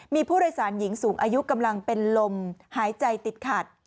มีผู้โดยสารหญิงสูงอายุกำลังเป็นลมหายใจติดขัด